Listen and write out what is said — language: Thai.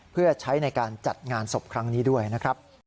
เพื่อใช้ในการจัดงานศพครั้งนี้ด้วยนะครับ